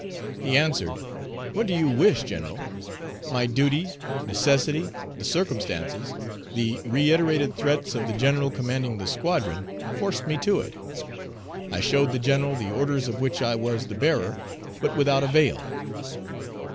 He answered, "What do you wish, general? My duty, necessity, the circumstances, the reiterated threats of the general commanding the squadron, forced me to it. I showed the general the orders of which I was the bearer, but without avail."